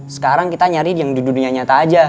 sekarang kita nyari yang duduknya nyata aja